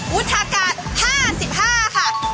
วุฒากาศ๕๕ค่ะ